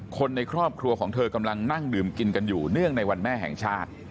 คนในครอบครัวของเธอกำลังนั่งดื่มกินกันอยู่เนื่องในวันแม่แห่งชาติ